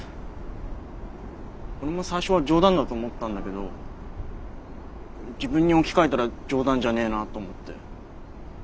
俺も最初は冗談だと思ったんだけど自分に置き換えたら冗談じゃねえなと思って。